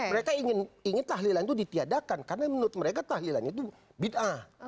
mereka ingin tahlilan itu ditiadakan karena menurut mereka tahlilannya itu beda